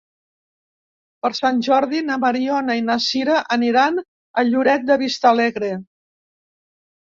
Per Sant Jordi na Mariona i na Sira aniran a Lloret de Vistalegre.